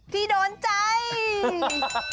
ที่โดนใจ